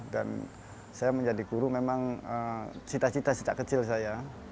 dan saya menjadi guru memang cita cita sejak kecil saya